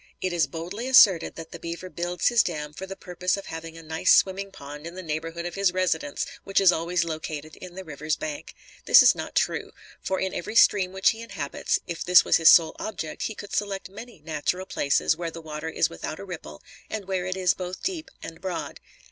It is boldly asserted that the beaver builds his dam for the purpose of having a nice swimming pond in the neighborhood of his residence, which is always located in the river's bank. This is not true; for, in every stream which he inhabits, if this was his sole object, he could select many natural places where the water is without a ripple and where it is both deep and broad.